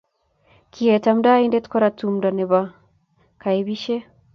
Kiet amdoinde korat tumdoe bo kaibisie